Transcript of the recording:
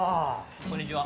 こんにちは。